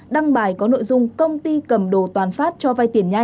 đăng bài có nội dung công ty cầm đồ toàn phát cho vay